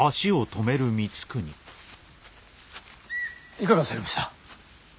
いかがされました？